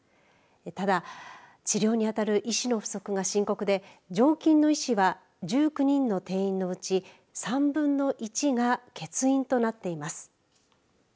ただ、治療に当たる医師の不足が深刻で常勤の医師は１９人の定員のうち３分の１が欠員となっています。